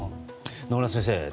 野村先生。